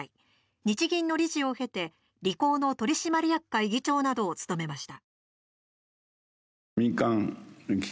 日銀の理事を経てリコーの取締役会議長などを務めました。